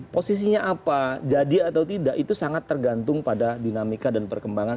posisinya apa jadi atau tidak itu sangat tergantung pada dinamika dan perkembangan